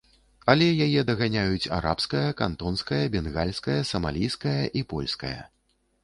Але яе даганяюць арабская, кантонская, бенгальская, самалійская і польская.